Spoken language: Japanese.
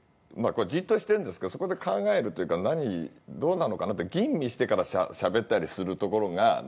じっとしてるんですけどそこで考えるというか「どうなのかな？」って吟味してからしゃべったりするところが何となく落ち着いて見える。